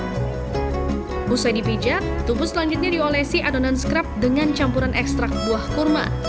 setelah dipijat tubuh selanjutnya diolesi adonan scrap dengan campuran ekstrak buah kurma